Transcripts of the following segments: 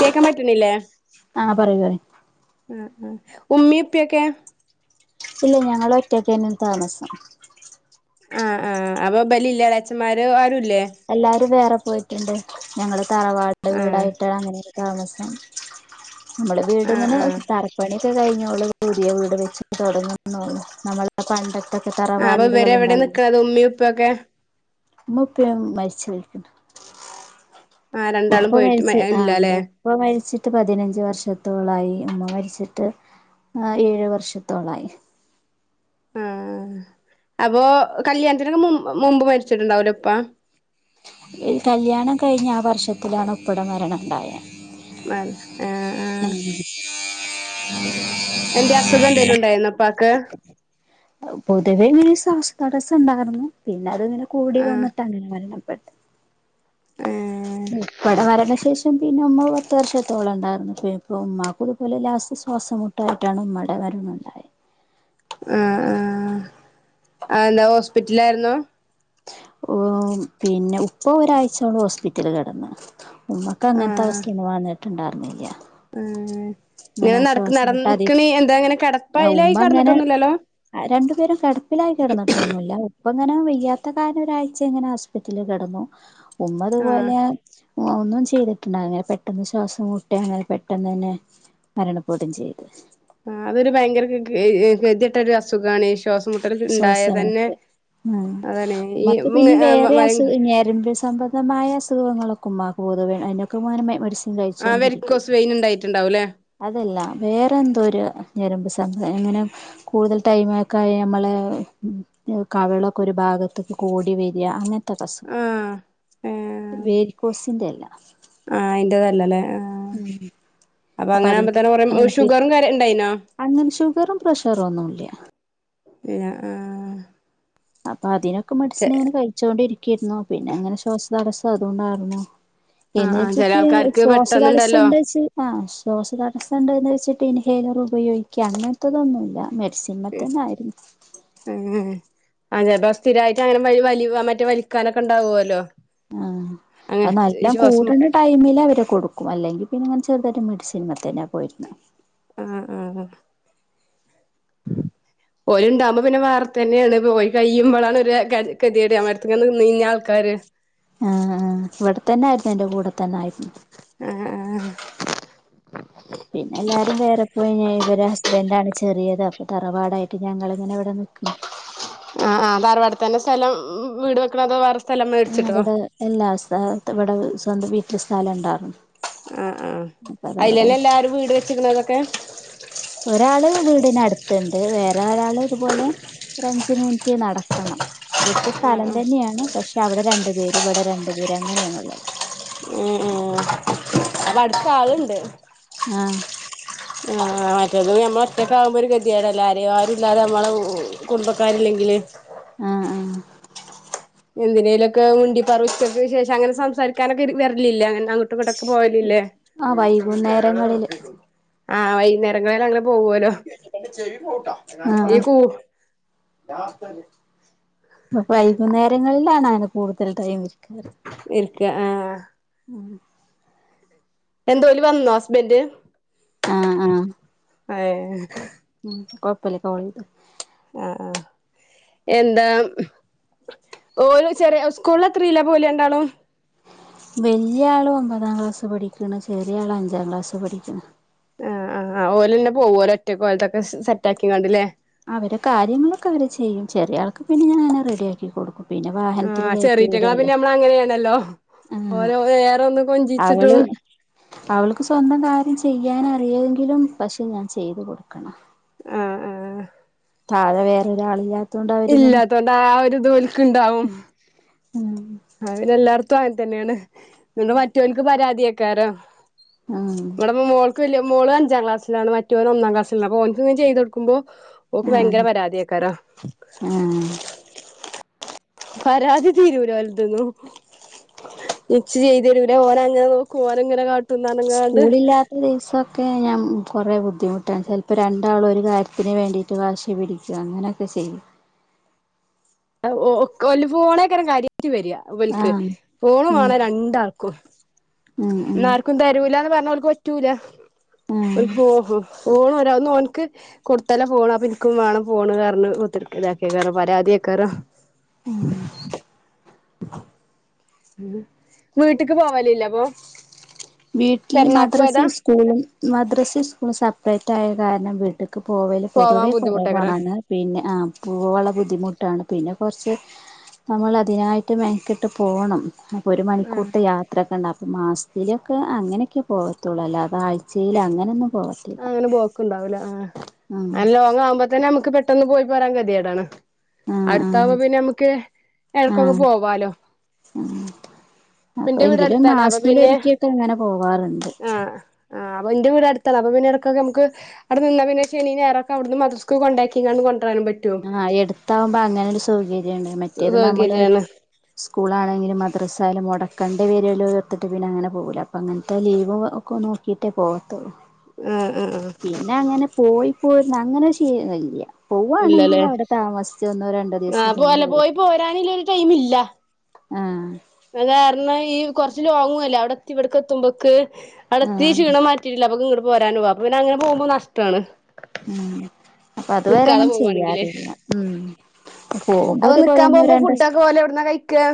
കേക്കാൻ പറ്റുന്നില്ലേ ആഹ് പറയൂ പറയൂ ആ ഉമ്മി ഇപ്പി ഒക്കെ ഇല്ല ഞങ്ങൾ ഒറ്റക്കേന്നും താമസം ആ ആഅപ്പൊ ഇബലി ല്ല എളച്ചൻ മാര് ആ രൂല്ലആ എല്ലാരും വേറെ പോയിട്ടുണ്ട് ഞങ്ങള് തറവാട്ട് ആ വീടായിട്ടാ അങ്ങനെ താമസം നമ്മള് വീട് ആ ഇങ്ങനെ ആ തറപ്പണിയൊക്കെ കഴിഞ്ഞു നമ്മള് പുതിയ വീട് വെച്ച് തുടങ്ങുന്നുള്ളൂ നമ്മളെ പണ്ടൊക്കെ ആ അപ്പൊ ഇവരെ എവിടെ നിക്കണത് ഉമ്മി ഉപ്പൊക്കെ മ്മ് പ്പേ മരിച്ച്പോയിക് ആ രണ്ടാളും ഉപ്പ പോയിട്ട് മരിച്ച് ആഹ ഇല്ലല്ലേ ഉപ്പ മരിച്ചിട്ട് ് പതിനഞ്ച് വർഷത്തോളായി ഉമ്മ മരിച്ചിട്ട് ഏഴ് വർഷത്തോളായി ആഹ അപ്പോ കല്യാണത്തിനൊക്കെ മുമ്പ് മരിച്ചിട്ടുണ്ടാവല എപ്പാ കല്യാണം കഴിഞ്ഞഞ് ആ വര്ഷത്തിലാണ് ഉപ്പിട മരണ ഉണ്ടായത് ആ ഉം എന്റെ അസുഖം എന്തേലും ഉണ്ടായിരുന്ന പാക്ക് പൊതുവേ ന ശ്വാസതടസ്സം ഉണ്ടായിരുന്നു പിന്നെ പിന്നെ അത് ഇങ്ങനെ കൂടി ആ വന്നിട്ട് അങ്ങനെ വരണം പത്ത് ഏ ഉപ്പട വരല്ല അ ശേഷം പിന്നെ ഉമ്മ പത്ത് വർഷത്തോളം ഉണ്ടായിരുന്നു ഇപ്പ ഉമമാക്ക് ഇതുപോലെ ലാസ്റ്റ് ശ്വാസംമ മുട്ടായിട്ടാണ് ഉമ്മയുടെ വരണ ഉണ്ടായത് ആ ആ ആ എന്താ ഹോസ്പിറ്റല ആായിുന്നോ പിന്നെ ഉപ്പ ഒരാഴ്ചയാണ് ഹോസ്പിറ്റല് കിടന്ന് ഉമ്മക്ക് അങ്ങനത്തെ ആ അവസ്ഥയാണ് വാന്നട്ട് ഇണ്ടാറുന്നില്ല ആ അങ്ങനെ ശ്വാസം കൂട്ടാതി ഇങ്ങനെ കിടപ്പയിലായി ഉമ്മ അങ്ങനെ കിടന്നിട്ടൊന്നുല്ലല്ലോ രണ്ടുപേരും കിടപ്പിലായി കിടന്നിട്ടൊന്നുമല്ല അപ്പ ഇങ്ങനെ വെയ്യാത്ത കാരാലം ഒരാഴ്ച ഇങ്ങനെ ഹോസ്പിറ്റലിൽ കിടന്നു ഉമതു ആഹ് പോോലെ ഒന്നും ചെയ്തിട്ടുണ്ടായിരുന്നില പെട്ടെന്ന് ശ്വാസം മുട്ടി അങ്ങനെ പെട്ടെന്നന്നെ മരണപ്പെടും ചെയ്ത് ആ അതൊരു ഭയങ്കര ക് ക് ഏ കത്യെട്ട ഒരു അസുഖാണെ ശ്വാസം മുട്ട് ആ അതാണ് ഈ ഇമ്മക്ക് പിന്നി വേറിം അസുഖ ഞരമ്പസു സംബന്ധമായ അസുഖങ്ങളൊക്കെ ഉമ്മാക്കു പൊതുവേ അയ്‌നൊക്കെ ഉമാനെ മ മെഡിസി ആ വെരിക്കോസ് വെയിന് ഉണ്ടായിട്ടുണ്ടാവുംല്ലേ അതല്ല വേറെ എന്തോ ഒരു ഞരുമ്പ് സംഭ ഇങ്ങനെ കൂടുതൽ ടൈമൊക്കെ നമ്മളെ കവിളൊക്കെ ഒരു ഭാഗത്തേക്ക് കോടി വര അങ്ങൻ ത്തൊരസുഖം ആഹ് ഏഹ് വേരിക്കോസിന്റെ അല്ല ആ ഉം അപ്പൊ അങ്ങനെ ആവുമ്പതന്നെ അതിന് പി ഷുഗറും കാര്യ [unintelligible] അങ്ങനെ ഷുഗറും പ്രഷറും ഒന്നുംല്ല പിനെ ഏഹ് അപ്പൊ അതിനൊ ക്കെ മെഡിസിൻ ഇങ്ങനെ കഴിച്ചോണ്ടിരിക്കേ ര്ന്നു പിന്നെ ഇങ്ങനെ ശ്വാസം തടസ്സം അതുണ്ടായിരുന്നു ആഹ് എന്ന് ആഹ് ചില വെച്ചിട്ട് ആൾക്കാർക്ക് ശ്വാസതടസ്സം പെട്ടെന്നുണ്ടല്ലോ ഉണ്ട് വെച്ച് ആ ശ്വാസതടസ്സം ഉണ്ടന്ന് വെച്ച് ട്ട് ഇൻഹേലർ ഉപയോഗിക്യാ അങ്ങൻത്തതൊന്നുല്ല മെഡി സിമത്തന്നെ ആയിരുന്നു ഉം ആ ചൽപ്പോ സ്ഥിരായിട്ട് അങ്ങനെ വലി വോ മറ്റേ വലിക്കാനൊക്കെ ഉണ്ടാവുവോല്ലോ ആഹ് അത് നല്ലോം മുട്ട് കൂടണ ടൈമിൽ അവരെ കൊടുക്കും അല്ലെങ്കിൽ പിന്നെ ഇങ്ങനെ ചെറുതായിട്ട് മെഡി സിൻമതന്നാ പോയിരുന്നെ ആഹ് ആഹ് ഓല്ല് ഉണ്ടാകുമ്പോ പിന്നെ വേറെത്തതന്നേണ് പോയി കഴിയുമ്പളാണ് ഒരു കെതിയട് നമ്മളട്ത് ങ്ങനെ നിന്നിന്യ ആൾക്കാര് ആഹ് ഇവിടെ തന്നായിരുന്നു എന്റെ കൂടെ തന്നെ ആയിരുന്നു ആ ഇവര് ഹസ്ബൻഡാണ് ചെറിയത് അപ്പൊ തറവാടായിട്ട് ഞങ്ങളിങ്ങനെ ഇവിടെ നിക്കും ആഹ് ആ തറവാടത്ത് തന്നെ സ്ഥലം വീട് വെക്കണതോ വേറെ സ്ഥലം ആ മേടിച്ചിട്ടോ അവിടെ എല്ലാ സ്ഥ ഇവിടെ സ്വന്തം വീട്ടിൽ സ്ഥലം ഇണ്ടാർന്നു ആ ആ അപ്പഅതവടെ അയിലന്നെ വെച്ച് എല്ലാരും വീട് വെച്ചിക്കണതൊക്കെ ഒരാള് വീടിനടുത്തുണ്ട് വേ റരാള് ഇതുപോലെ ഒരഞ്ച് മിനിറ്റ് നടക്കണം ഇവിടുത്തെ ആ സ്ഥലം ആ തന്നെയാണ് പക്ഷേ അവിടെ രണ്ടു പേര് ഇവിടെ രണ്ടു പേര് അങ്ങനെയാണുള്ളത് അടുത്ത് ആളുണ്ട് ആഹ് ആ മറ്റേത് നമ്മള് ഒറ്റക്കാകുമ്പോ ഒരു കതിയേടല്ലോ ആരും ആരുല്ലാതെ നമ്മളെ കുടുംബക്കാരില്ലെങ്കില് ആഹ് ആഹ് എന്തിനേലൊക്കെ മുണ്ടി പറിച്ചക്ക വിശേഷം അങ്ങനെ സംസാരിക്കാനൊക്കെ വരലില്ലേ അങ്ങനെ അങ്ങോട്ടും ഇങ്ങോട്ടൊക്കെ പോവലില്ലേ ആ വൈകുന്നേരങ്ങളില് ആ വൈകുന്നേരങ്ങളിൽ അങ്ങ ആ ഈ കൂ ആ പ്പ വൈകുന്നേരങ്ങളിലാണാ അ കൂടുതൽ ടൈം ഇരിക്കാറ് ഇരിക്ക ആഹ് ഉം എന്തോ ല് വന്നോ ഹസ്ബന്റ് ആഹ് ആഹ് ആ കൊയപ്പല്ല [unintelligible] ആഹ് ആഹ് എന്താ ഓള് ചെറിയ സ്‌കൂളില് എത്രേലാ പോല രണ്ടാളും വല്ല്യ ആള് ഒമ്പതാം ക്ലാസ് പഠിക്കുന്നു, ചെറിയ ആള് അഞ്ചാം ക്ലാസ് പഠിക്കുന്നു ആ ആ ആ ഓലെല്ല പോവുവ ഒരു ഒറ്റക്കിതൊക്കെ സെറ്റാക്കിയാണ്ട് അല്ലെ അവര കാര്യങ്ങളൊക്കെ അവര് ചെയ്യും ചെറിയ ആൾക്ക് പിന്നെ ഞാനാ റെഡിയാക്കി കൊടുക്കും പിന്നെ വാഹനത്തില് ആഹ് കയറ്റി വിടല്ലേ ചെറീറ്റൻകാവിലെ നമ്മളങ്ങനെയായിരുന്നല്ലോ ആഹ് ഓരോ വേറെയൊന്ന് അവള് കൊഞ്ചിച്ചിട്ടും അവൾക്ക് സ്വന്തം കാര്യം ചെയ്യാനറിയെങ്കിലും പക്ഷെ ഞാൻ ചെയ്തു കൊടുക്കണം ആഹ് ആഹ് തഴെ വേറൊരാളില്ലാ ഇല്ലാത്തോണ്ട് ആ ഒരിത് ഇവൾക്കിണ്ടാവും ഉം ഞങ്ങളെല്ലാടത്തും അയൽ തന്നെയാണ് പിന്ന മറ്റോൾക്ക് പരാതിയാ ത്തരം ഉം ഇവടിപ്പോ മോൾക്കും ഇല്ല മോള് അഞ്ചാ അഞ്ചാംക്ലാസിലാണ് മറ്റവൻ ഒന്നാം ക്ലാസിലാ അപ്പൊ ഓൻക്ക്‌ ഞാൻ ചെയ്തു കൊടുക്കുമ്പോ ഓക്ക് ഭയങ്കര ആഹ് പരാതിയേക്കാരം ആഹ് പരാതി തീരൂല [unintelligible] എച്ച് ചെയ്തുതരൂല ഓന അങ്ങനെ നോക്കും ഓന് ഇങ്ങനെ കാ സ്കൂളില്ലാത്ത ദിവസം ഞാൻ കൊറേ ബുദ്ധിമുട്ടാ ചെലപ്പോ രണ്ടാളും ഒരു കാര്യത്തിന് വേണ്ടിട്ട് വാശിപിടിക്കും അങ്ങനൊക്കെ ചെയ്യും ഒ ഓ ഒക്കോല് [unintelligible] റ്റ് വര്യ വൽസേ ആഹ് ഫോണ് ഉം വേണം രണ്ടാൾ ഉഹ് ഉം ഉം ന്നാർക്കും തരൂല്ലാന്ന് പറഞ്ഞോൽ പറ്റൂല ഉം [unintelligible] ഓണ് ഒരാൾന്നോൻക്ക് കൊടുത്താലാ ഫോണ് അപ്പൊ എനിക്കും വേണം ഫോണ് കാരണം കുത്തിരിക്കലാക്കാരം പരാതി ക്കാരം മ് വീട്ട്ക്ക് പോവലില്ലേ അപ്പോ വീട്ടിൽ മദ്രസേം സ്കൂളും മദ്രസേം സ്കൂളും സ പ്രെറ്റായകാരണം വീട്ട് ക്ക്‌ പോവല് പോവാൻ ബുദ്ധിമുട്ടേക്കാരം പൊതുവേകൊറവാണ് പിന്നെ ആ പൂവള്ള ബുദ്ധിമുട്ടാണ് പിന്നെ കൊറച്ച് നമ്മൾ അതിനായിട്ട് മെനകെട്ട് പോണം ഒരു ആഹ് മണിക്കൂർത്തെ യാത്രോക്കെ ഇണ്ട മാസ്ത്തില് ക്ക അങ്ങനെയൊക്കെ പോകത്തുള്ളൂ അല്ലാതെ ആഴ്ചയില് അങ്ങനൊന്നും പോവത്തില്ല അങ്ങനെ പോക്കുണ്ടാവൂല ആ ഉം അല്ല ലോങ്ങ്‌ ആവുമ്പതന്നെ നമുക്ക് പെട്ടെന്ന് പോയി പോരാൻ കേതേടാണ് ആ ആ അടുത്താവുമ്പ പിന്നെ നമ്മ്ക്ക് എടക്കൊക്കെ പോവാലോ ഉഹ [unintelligible] അപ്പ ഇന്റെ വീട് എങ്കിലും അടുത്താണ് അപ്പൊ പിന്നെ മാസത്തിലൊരിക്കൊക്കെ അങ്ങനെ പോവാറ്ണ്ട് അപ്പ പിന്നെടക്കൊക്ക നമ്ക്ക് അവിടെ നിന്നാപിന്നെ ശനിം ഞായറൊക്കെ അവടന്ന് മദ്രസ്ക്ക് കൊണ്ടാക്കിങ്ങാണ്ട് കൊണ്ടരാനും പറ്റും ആ എടുത്താവുമ്പോ അങ്ങനൊരു സൗകര്യണ്ട് മറ്റേത് നമ്മള് സൗകര്യാണ് സ്കൂളാണെങ്കിലും മദ്രസായാലും മുട കണ്ട് പേരുല്ലോതിർത്തിട്ട് പിന്നെ അങ്ങനെ പോകൂല അപ്പങ്ങൻത്തെ ലീവ് ഒക്കെ നോക്കീട്ടെ പോ ആഹ് ആഹ് ആഹ് പിന്നെ അങ്ങനെ പോയി പോരന്ന അങ്ങനൊരു ശിലൊന്നുല്യാ പോവാണെങ്കി ആ പോവല്ലെ പോയി പോരാനില്ലൊരു ടൈമില്ല ആ ആ കാരണം ഈ കുറച്ച് ലോങ്ങുഅല്ലേ അവിടെത്തി ഇവിടക്കത്തുമ്പോക്ക് അടത്തി ആഹ് ക്ഷീണം മാറ്റിട്ടില്ല അപ്പക്കും ഇ പോരാനു ആവും അപ്പ പിന്നങ്ങനെ പോക്മ്പെ നഷ്ടാണ് ഉം അപ്പൊ അത് വരെ നിക്കാതെ അങ്ങനെ പോവാണെങ്കില് ചെയ്യാറില്ല ഉം അപ്പൊ പോകുമ്പതുപോലെ നിക്കാൻ ഒന്നോ പോകുമ്പോ രണ്ടോസം ഫുഡൊക്കെ ഓല് എവിടുന്നാ കഴിക്കാ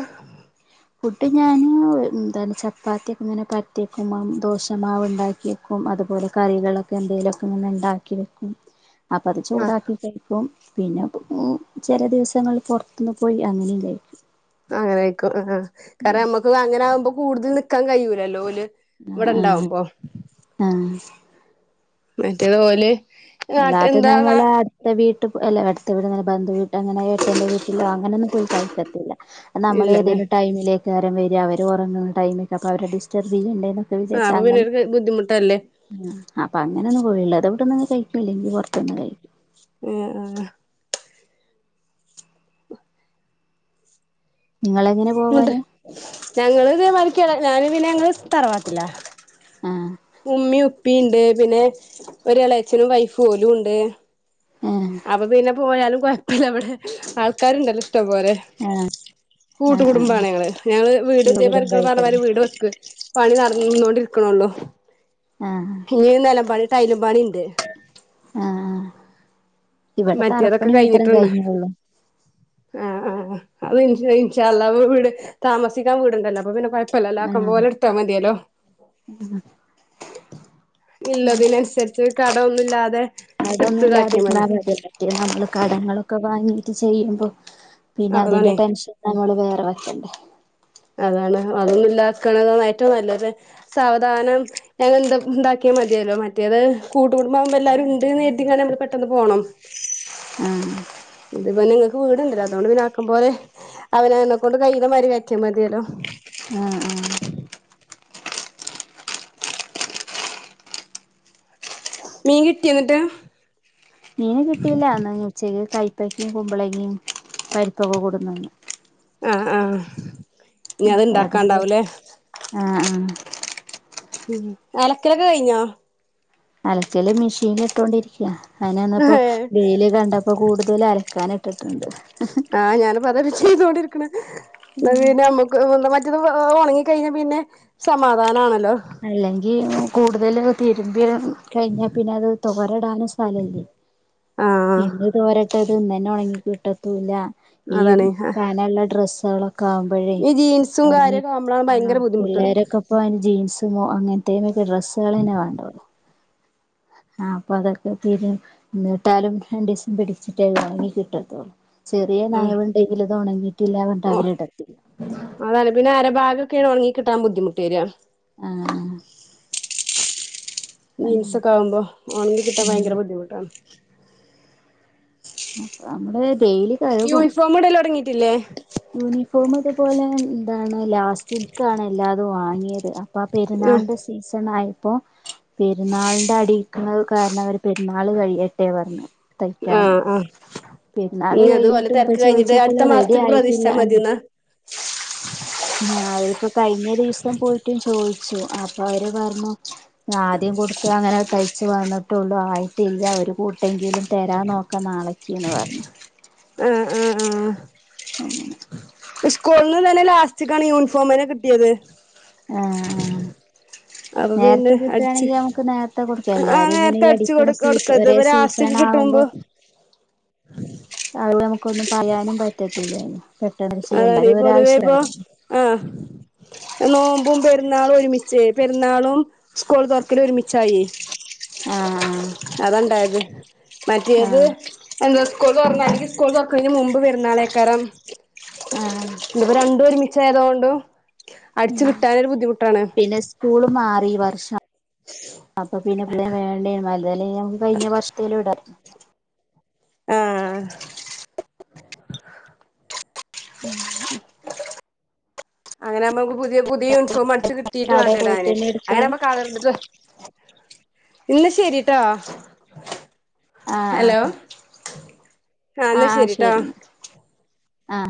ഫുഡ് ഞാന് എന്താണ് ചപ്പാത്തി ഒക്കെങ്ങനെ പര്ത്തെക്കും ദോശമാവ് ണ്ടാക്കിഎക്കും അതുപോലെ കറികളൊക്കെ എന്തേലൊക്കെങ്ങനെ ണ്ടാക്കി വെക്കും അപ്പ അത് ആഹ് ചൂടാക്കി കഴിക്കും പിന്നെ ചെല ദിവസങ്ങള്ള് പൊർത്ത്ന്ന് പോയി അങ്ങനെണ്ടായിരിക്കും അങ്ങനൊക്കെ ആഹ് കാരണം നമ്മക്ക് അങ്ങനാകുമ്പോ കൂടുതൽ നിക്കാൻ കയ്യൂലല്ലോ ഓല് ആ ഇവിടെ ഇണ്ടാവുമ്പോ ആ ആഹ് മറ്റേത് ഓല് നാട്ട് അല്ലാതെ എന്താ നാ നമ്മള് അടുത്ത വീട്ട് [unintelligible] ത്തവിടെന്നാ ബന്ധുവീ അങ്ങനെ ഏട്ടന്റെ വീട്ടിലോ അങ്ങനൊന്നും പോയി കഴിക്കത്തില്ല. നമ്മള് ഇല്ലല്ലേ ഏതേലും ടൈമില് ആരേം വരാ അവര് ഉറങ്ങുന്ന ടൈമെക്ക അപ്പവരെ ഡിറ്റർബ്യ്യണ്ട ന്നൊക്കെ ആഹ് വിചാര്ച്ചാ അപ്പൊ പിന്നെ അങ്ങനെ ഒരു ബുദ്ധിമുട്ടല്ലേ അപ്പൊ അങ്ങനൊന്നും പോവില്ല. അത് ട്ടെന്ന് കയ് ഇല്ലെങ്കിൽ പുറത്ത്ന്ന് കഴിക്കും. ആഹ് ആഹ് നിങ്ങളെങ്ങനെ ഇണ്ട്. പോവല് ഞങ്ങള് ദേ മായ്രി ക്കെ ഞാനും പിന്നെ ഞങ്ങള് തറവാട്ടിലാ. ആഹ് ഉമ്മിം ഉ പ്പീണ്ട്. പിന്നെ ഒരു എളേച്ഛനും വൈഫ്, ഓലും ണ്ട്. ആഹ് അപ്പൊ പിന്നെ പോയാലും കൊയ പ്പല്ല വടെ ആൾക്കാര്ണ്ടല്ലോ. ഇഷ്ടം പോലെ ആഹ് ആഹ് കൂട്ടുകുടുംബാണേ ഞങ്ങള് ഞങ്ങള് വീട് ഇതേ പോലെക്കെ ആഹ് പറഞ്ഞമാതിരി വീട് വെക്ക് പണി നടന്നോണ്ടി ക്ക്നൊള്ളു ആഹ് ഇനീയെന്നെല്ലാം പണി ടൈലും പണിണ്ട് ആഹ് ഇവിടെ മറ്റേതൊക്കെ തറപ്പണി മാത്രം കഴിഞ്ഞിട്ടൊണ്ടാ കഴിഞ്ഞുള്ളൂ ആ ആ അത് ഇൻശാ അള്ളാഹ് വിട് താമസിക്കാൻ വീടൊണ്ടല്ല അപ്പ പിന്ന കോയ പ്പല്ല ആഹ് ല്ലാക്കുമ്പോലെ ടുത്താ മതിയല്ലോ ഞ് ള്ളതിനനുസരിച്ച് കടോന്നു ല്ലാതെ കടോന്നു ഇല്ലാതെ ഇര്ന്നാ കോയപ്പ ഈ നമ്മള് കടങ്ങളൊക്ക വാ വാങ്ങീട്ട് ചെയ്യുമ്പോ പിന്നെ അതിന്റെ അതാണേ ടെൻഷൻ നമ്മള് വേറെ വയ്ക്കണ്ടേ അതാണ് അതൊന്നും ഇല്ലാക്കണതാണ് ഏറ്റവും നല്ലത് സാവധാനം ഞങ്ങ എന്താ എ ന്താക്കിയാൽ മതിയല്ലോ മറ്റേത് കൂട്ട് കുടുംബം ആകുമ്പോ എല്ലാരും ണ്ട്ന്ന് കര്തിക്കാണ്ട് പെട്ടെന്ന് പോണം ആ ഇതിപ്പ നിങ്ങക്ക് വീടുണ്ടല്ല അതുകൊണ്ട് പിന്നെ ആക്കം പോലെ അവനവനെ കൊണ്ട് കയ്യിണ മാ റ്റിയ മതിയല്ലോ ആഹ് ആഹ് മീൻ കിട്ടിയ ന്നിട്ട് ഇല്ലാന്ന് ഉച്ചക്ക് കയ്പ്പക്കയും കുമ്പളങ്ങേ പരിപ്പൊക്കെ കൊട്ന്ന്ണ്ട് ആ ആ [unintelligible] അതിന്റെ ആ ആ ഉം അലക്കലൊക്കെ കയിഞ്ഞോ അലക്കല് മിഷീനി ഇട്ടൊണ്ടിരി [unintelligible] അങ്ങനെ വന്നപ്പോ ഏഹ് വെയില് കണ്ടപ്പോ കൂടുതല് അലക്കാനിട്ടിട്ടുണ്ട് ങ് ഹ് [unintelligible] ഇരിക്കണ് ഹ് [unintelligible] [unintelligible] ഒണങ്ങി കഴിഞ്ഞ പിന്നെ സമാധാനാണ് അല്ല [unintelligible] ഈ കൂടുതൽ തിരുമ്പി കഴിഞ്ഞാ പിന്നെ അത് തോര ഇടാനും സ്ഥലല്ല ആഹ് ഇന്ന് തോരാ ഇട്ട അത് ഇന്ന്‌ തന്നെ ഒണങ്ങി കിട്ടത്തൂല്ല ഈ അതാണെ കനള്ള ഡ്രസ്സ് [unintelligible] കാവുമ്പോഴേ ഈ ജീൻസും ഉണങ്ങി കാര്യൊക്കെ ആവുമ്പളാണ് ആ ഭയങ്കര ബുദ്ധിമുട്ട് പിള്ളേരക്കെപ്പം അ ജീൻസ് [unintelligible] അങ്ങനത്തെരെ ഈ ഡ്രസ്സളെന്നെ വാണ്ടാലോ ആ അപ്പോ അതൊക്കെ [unintelligible] ഇന്നട്ടാലും രണ്ടി സം പിടിച്ചിട്ടെ ഒണങ്ങി കിട്ടത്തോള്ളൂ ചെറിയ ഉം നനവ് ഉണ്ടെങ്കിലും ഒണങ്ങി ഓ അതല്ല പിന്നെ അരഭാഗക്കെ ഒണങ്ങി [inaudible] [inaudible] [unintelligible] [inaudible] [inaudible] [inaudible] [inaudible] [inaudible] [inaudible] [inaudible] ഇപ്പ ആഹ് പെരുന്നാളിന് സീസൺ ആയി പ്പോ പെരുന്നാളിൻ്റെ അടിക്കണത് കാരണം അവര് പെരുന്നാള് കഴിയാട്ടെന്ന് പറഞ്ഞു തയ്ക്കാന് [inaudible] ഈ പെരുന്നാള് ഓരെ കഴിഞ്ഞിട്ടും ഇപ്പ തെരക്ക് കഴിഞ്ഞിട്ട് അടുത്ത ചോദിച്ചപ്പോള് റെഡി മാസത്തെക്ക് പ്രതീക്ഷിച്ച ആയിട്ടില്ല മതിന്ന ആഹ് അ [inaudible] അപ്പ അവര് പറഞ്ഞു ആദ്യം കൊടത്തു തയ്യിച്ചു വന്നിട്ടുള്ള അയിട്ടില്ല ഒരു കൂട്ട് എങ്കിലും തരാൻ നോക്ക നാളെ ചീന്ന് പറഞ്ഞ് ആഹ് ആഹ് ആഹ് അങ്ങനെ [inaudible] അപ്പൊ പിന്നെ അടിച്ച് [inaudible] ആഹ് നേരത്തെ അടിച്ചു കൊടു കൊടുക്ക ഇതിപ്പോ ലാസ്റ്റ്ക്ക് കിട്ടുമ്പോ [unintelligible] [inaudible] അതാണെ എല്ലാരും പൊതുവേ ഇപ്പം ഒരാവശ്യമായിരുന്നു ആ നോമ്പും പെരുന്നാൾ ന്നാള് ഒരുമിച്ച് പെരുന്നാളും സ്‌കൂൾ തൊറക്കലും ഒരുമിച്ചായേ ആ ആഹ് അതാ ഇണ്ടായത് മറ്റേത് എന്താ സ്‌കൂള് തൊറന്ന് അല്ലെങ്കിൽ സ്‌കൂള് തൊറക്കണേന് മുൻപ് പെര്ന്നാളെക്കാരം ആ ഇതുപ്പോ രണ്ട ഒരുമിച്ചയതൊണ്ട് ഹ [unintelligible] ഉ പിന്നെ സ്കൂള് മാറി വർഷം അപ്പൊ പിന്നെ പുതിയ വേണ്ടേല്ല അത അല്ലങ്കിൽ കഴിഞ്ഞ വർഷത്തിൽ ഇടം ഉ ആഹ [inaudible] ഉ [inaudible] അങ്ങനെകുമ്പോ പുതിയ പുതിയ യൂണിഫോം അടിച്ചു കിട്ടീട്ട് കടേ വേണ്ടേടാന് പോയിട്ടന്നെ എടുക്കാ അങ്ങനെകുമ്പോ കളർ ഡ്രസ്സ്‌ ഇന്ന് ശരിട്ടാ ആഹ് ആഹ് ഹലോ ആ എന്നാ ആഹ് ആഹ് ശരി ശരിട്ടോ എന്നാ ആഹ്